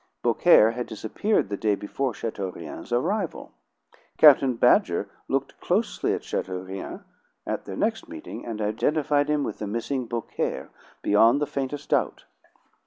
Beaucaire had disappeared the day before Chateaurien's arrival. Captain Badger looked closely at Chateaurien at their next meeting, and identified him with the missing Beaucaire beyond the faintest doubt.